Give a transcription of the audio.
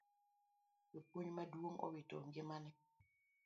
Japuonj maduong' owito ngimane